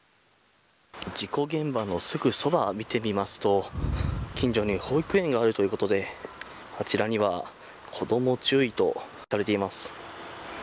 事故現場のすぐそばを見てみますと近所に保育園があるということであちらには子ども注意と書かれています。